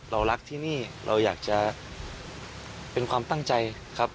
เรารักที่นี่เราอยากจะเป็นความตั้งใจครับ